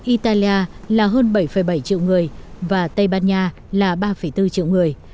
italia là hơn bảy bảy triệu người và tây ban nha là ba bốn triệu người